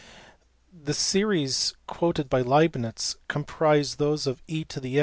The series quoted by Leibnitz comprise those for e?